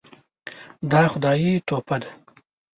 دا خدایي تحفه ده .